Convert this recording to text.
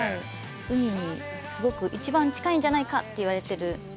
海にすごく一番近いんじゃないかといわれてる駅ですね。